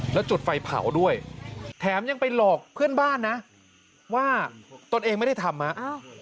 แล้วจุดไฟเผาด้วยแถมยังไปหลอกเพื่อนบ้านนะว่าตนเองไม่ได้ทำฮะ